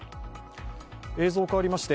映像変わりまして